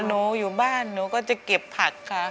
หนูอยู่บ้านเจ็บผักค่ะ